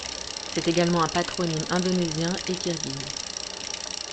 C'est également un patronyme indonésien et kirghize.